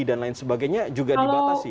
dan lain sebagainya juga dibatasi